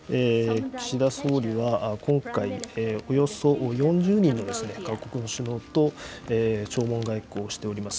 岸田総理は今回およそ４０人の各国の首脳と弔問外交をしておりま